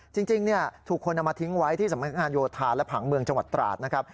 จริงถูกคนเอามาทิ้งไว้ที่สำนักงานโยธาและผังเมืองจังหวัดตราดนะครับ